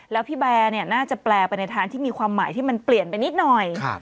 แล้วพี่แบร์น่าจะแปลไปในทางที่มีความหมายที่มันเปลี่ยนไปนิดหน่อย